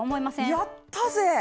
やったぜ！